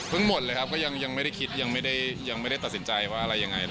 พึ่งหมดเลยเลยก็ยังไม่ได้คิดมันเลยพนักต่ออะไรยังไง